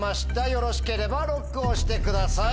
よろしければＬＯＣＫを押してください。